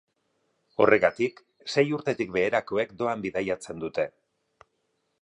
Horregatik, sei urtetik beherakoek doan bidaiatzen dute.